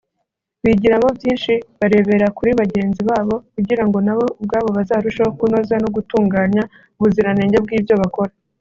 bigiramo byinshi barebera kuri bagenzi babo kugirango na bo ubwabo bazarusheho kunoza no gutunganya ubuziranenge bw’ibyo bakora